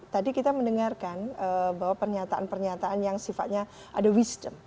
tadi kita mendengarkan bahwa pernyataan pernyataan yang sifatnya ada wisdom